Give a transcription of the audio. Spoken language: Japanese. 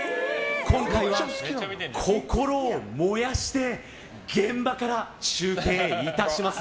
今回は心を燃やして現場から中継いたします！